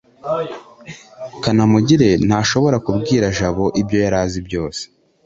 kanamugire ntashobora kubwira jabo ibyo yari azi byose